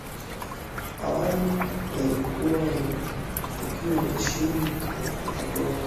awali yalikuwa yamefukiwa chini na udongo